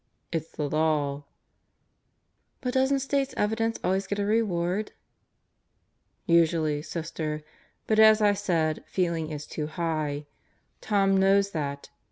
It's the Law. ..." "But doesn't State's Evidence always get a reward?" "Usually, Sister. But, as I said, feeling is too high. Tom knows that.